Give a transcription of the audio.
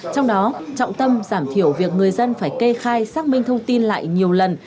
trong đó trọng tâm giảm thiểu việc người dân phải kê khai xác minh thông tin lại nhiều lần